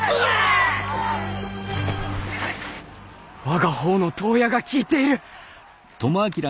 我が方の遠矢が効いている！